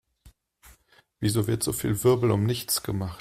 Wieso wird so viel Wirbel um nichts gemacht?